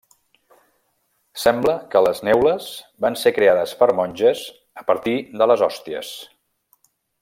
Sembla que les neules van ser creades per monges a partir de les hòsties.